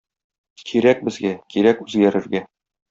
Кирәк безгә, кирәк үзгәрергә.